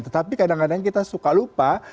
tetapi kadang kadang kita suka lupa